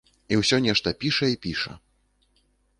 І ўсё нешта піша і піша.